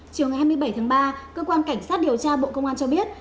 chiều ngày hai mươi bảy tháng ba cơ quan cảnh sát điều tra bộ công an cho biết